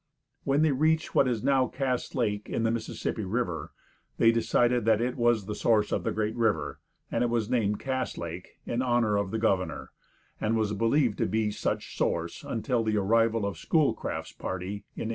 When they reached what is now Cass lake, in the Mississippi river, they decided that it was the source of the great river, and it was named Cass lake, in honor of the governor, and was believed to be such source until the arrival of Schoolcraft's party in 1832.